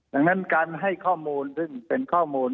ดังนั้นการให้ข้อมูลซึ่งเป็นข้อมูล